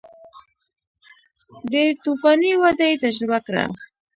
دې توفاني وده یې تجربه کړه